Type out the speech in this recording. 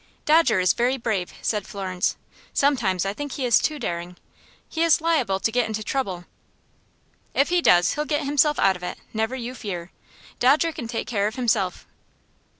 "Dodger is very brave," said Florence. "Sometimes I think he is too daring. He is liable to get into trouble." "If he does he'll get himself out of it, never you fear. Dodger can take care of himself."